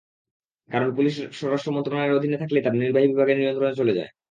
কারণ পুলিশ স্বরাষ্ট্র মন্ত্রণালয়ের অধীনে থাকলেই তারা নির্বাহী বিভাগের নিয়ন্ত্রণে চলে যায়।